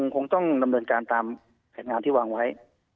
คงต้องดำเนินการตามแผนงานที่วางไว้